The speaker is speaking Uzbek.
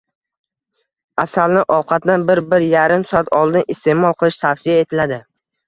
Asalni ovqatdan bir-bir yarim soat oldin iste’mol qilish tavsiya etiladi.